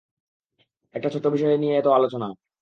একটা ছোট্ট বিষয় নিয়ে এত আলোচনা।